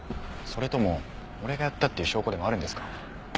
それとも俺がやったっていう証拠でもあるんですか？